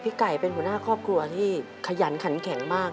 ไก่เป็นหัวหน้าครอบครัวที่ขยันขันแข็งมาก